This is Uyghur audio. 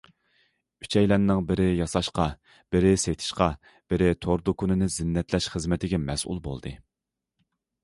ئۈچەيلەننىڭ بىرى ياساشقا، بىرى سېتىشقا، بىرى تور دۇكىنىنى زىننەتلەش خىزمىتىگە مەسئۇل بولدى.